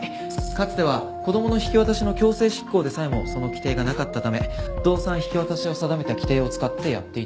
かつては子供の引き渡しの強制執行でさえもその規定がなかったため動産引き渡しを定めた規定を使ってやっていたんです。